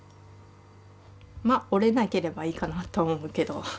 ま折れなければいいかなと思うけど。